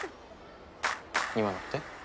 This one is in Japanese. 今のって？